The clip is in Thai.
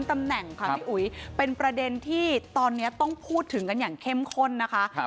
ตำแหน่งค่ะพี่อุ๋ยเป็นประเด็นที่ตอนนี้ต้องพูดถึงกันอย่างเข้มข้นนะคะ